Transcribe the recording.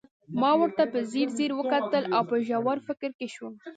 ما ورته په ځیر ځير وکتل او په ژور فکر کې شوم